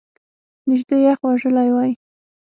نژدې یخ وژلی وای !